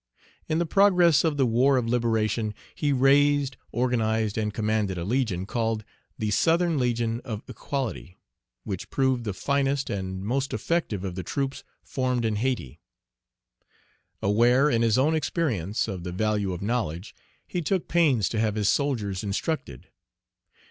In the progress of the war of liberation, he raised, organized, and commanded a legion, called "The Southern Legion of Equality," which proved the finest and the most effective of the troops formed in Hayti. Aware, in his own experience, of the value of knowledge, he took pains to have his soldiers instructed.